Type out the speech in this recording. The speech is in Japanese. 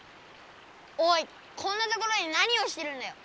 おいこんなところで何をしてるんだよ。